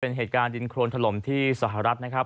เป็นเหตุการณ์ดินโครนถล่มที่สหรัฐนะครับ